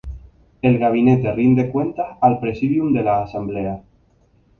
El gabinete rinde cuentas al Presidium de la Asamblea.